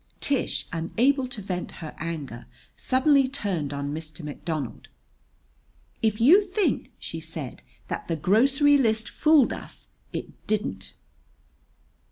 Tish, unable to vent her anger, suddenly turned on Mr. McDonald. "If you think," she said, "that the grocery list fooled us, it didn't!"